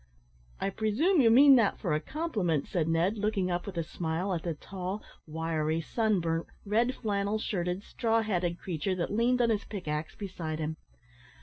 "I presume you mean that for a compliment," said Ned, looking up with a smile at the tall, wiry, sun burnt, red flannel shirted, straw hatted creature that leaned on his pick axe beside him.